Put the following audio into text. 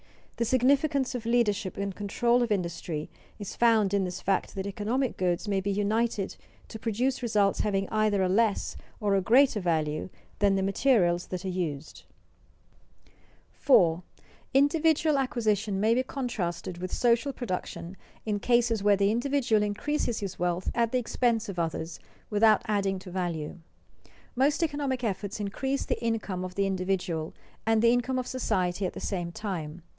The significance of leadership and control of industry is found in this fact that economic goods may be united to produce results having either a less or a greater value than the materials that are used. [Sidenote: Acquisition vs. social production] 4. _Individual acquisition may be contrasted with social production in cases where the individual increases his wealth at the expense of others, without adding to value._ Most economic efforts increase the income of the individual and the income of society at the same time.